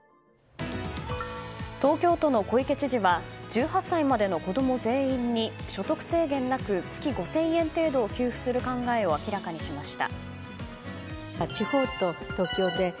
東京都の小池知事は１８歳までの子供全員に所得制限なく月５０００円程度を給付する考えを明らかにしました。